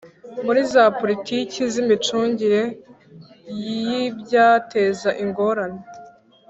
Muri za politiki z imicungire y ibyateza ingorane